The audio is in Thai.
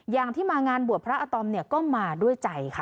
อย่างที่มางานบวชพระอาตอมเนี่ยก็มาด้วยใจค่ะ